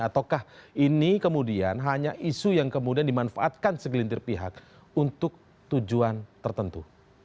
ataukah ini kemudian hanya isu yang kemudian dimanfaatkan segelintir pihak untuk tujuan tertentu